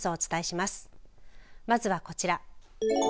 まずは、こちら。